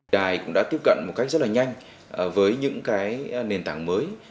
đài cũng đã tiếp cận một cách rất là nhanh với những cái nền tảng mới